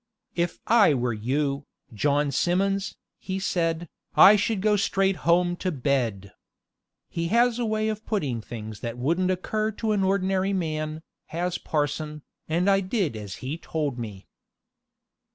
"If I were you, John Simmons," he said, "I should go straight home to bed." He has a way of putting things that wouldn't occur to an ordinary man, has parson, and I did as he told me.